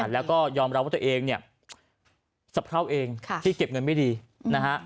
แล้วก็ยอมรับว่าตัวเองเนี่ยสะเพราเองที่เก็บเงินไม่ดีนะฮะ